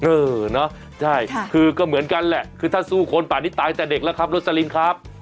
เออเนอะใช่คือก็เหมือนกันแหละคือถ้าสู้คนป่านี้ตายแต่เด็กแล้วครับโรสลินครับ